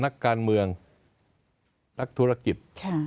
นักการเมืองนักธุรกิจ